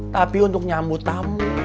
tapi untuk nyambut tamu